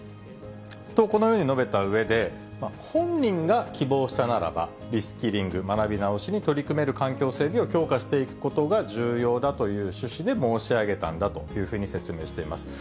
と、このように述べたうえで、本人が希望したならば、リスキリング・学び直しに取り組める環境整備を強化していくことが重要だという趣旨で申し上げたんだというふうに説明しています。